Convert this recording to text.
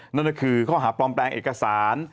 นั่นก็คือข้อหาปลอมแปลงเอกสาร